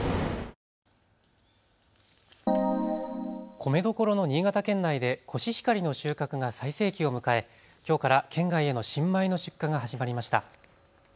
米どころの新潟県内でコシヒカリの収穫が最盛期を迎えきょうから県外への新米の出荷が始まりました。